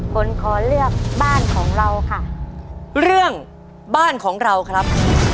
ขอเลือกบ้านของเราค่ะเรื่องบ้านของเราครับ